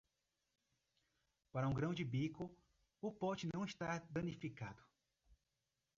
Para um grão de bico, o pote não está danificado.